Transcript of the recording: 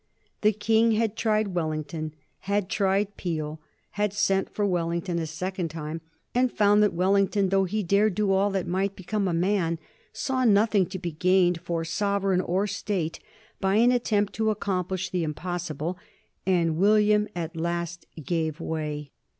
The King had tried Wellington, had tried Peel, had sent for Wellington a second time, and found that Wellington, though he dared do all that might become a man, saw nothing to be gained for sovereign or State by an attempt to accomplish the impossible, and William at last gave way.